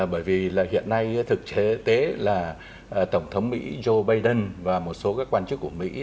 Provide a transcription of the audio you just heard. bởi vì là hiện nay thực tế là tổng thống mỹ joe biden và một số các quan chức của mỹ